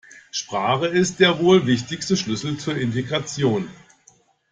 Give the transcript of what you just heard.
Sprache ist der wohl wichtigste Schlüssel zur Integration.